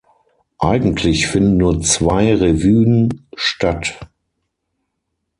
Eigentlich finden nur zwei Revuen statt.